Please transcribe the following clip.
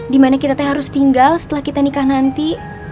dimana kita teh harus tinggal setelah kita nikah nanti